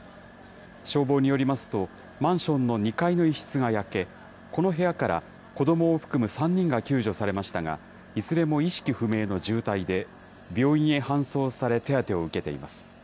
消防によりますと、マンションの２階の一室が焼け、この部屋から子どもを含む３人が救助されましたが、いずれも意識不明の重体で、病院へ搬送され手当てを受けています。